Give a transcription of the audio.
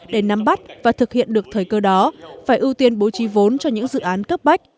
để nắm bắt và thực hiện được thời cơ đó phải ưu tiên bố trí vốn cho những dự án cấp bách